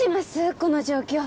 この状況